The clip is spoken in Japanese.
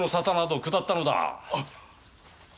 あっ。